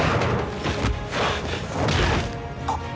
あっ！